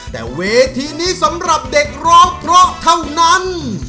แต่เวทีนี้สำหรับเด็กร้องเพราะเท่านั้น